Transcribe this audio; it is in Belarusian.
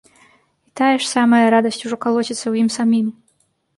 І тая ж самая радасць ужо калоціцца ў ім самім.